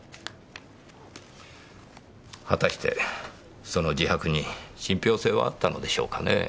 果たしてその自白に信憑性はあったのでしょうかねぇ。